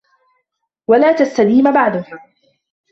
وَلَا تَسْتَدِيمُ بَعْدَهَا